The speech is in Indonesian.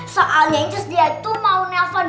soalnya terus dia tuh mau nelfon